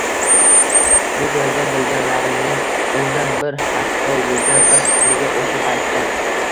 Bu joyda bilganlarining o‘ndan bir, hatto yuzdan bir qismigina o‘sha paytda